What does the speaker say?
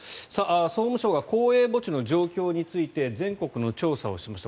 総務省が公営墓地の状況について全国の調査をしました。